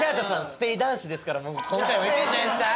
ステイ男子ですから今回もいくんじゃないですか？